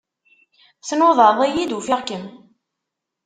Tnudaḍ-iyi-d, ufiɣ-kem.